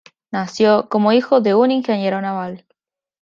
Nació como hijo de un ingeniero naval.